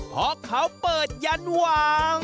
เพราะเขาเปิดยันวาง